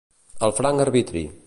Al franc arbitri.